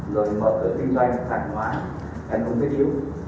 rồi mở cửa kinh doanh thảm thoáng hành công kết hiếu